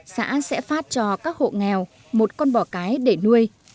xã sẽ phát cho các hộ nghèo một con bò cái để nuôi